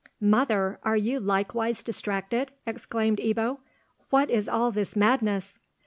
"Mother, are you likewise distracted?" exclaimed Ebbo. "What is all this madness?"